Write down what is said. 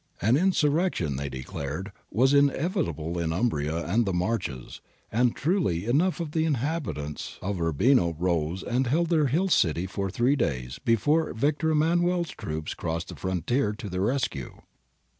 An insurrection, they declared, was inevitable in Umbria and the Marches, — and truly enough the inhabitants of Urbino rose and held their hill city for three days before Victor Emmanuel's troops crossed the frontier to their rescue.